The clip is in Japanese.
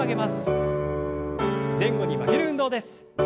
前後に曲げる運動です。